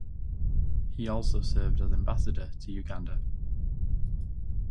He also served as Ambassador to Uganda.